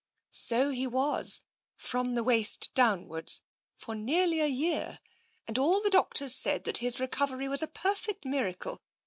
" So he was, from the waist downwards, for nearly a year, and all the doctors said that his recovery was a perfect miracle.